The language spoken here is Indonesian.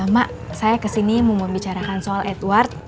mak saya kesini mau membicarakan soal edward